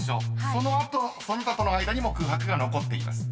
［その後その他との間にも空白が残っています］